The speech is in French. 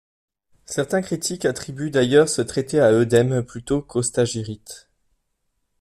Certains critiques attribuent d'ailleurs ce traité à Eudème plutôt qu'au Stagirite.